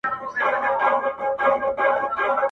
• پردو زموږ په مټو یووړ تر منزله,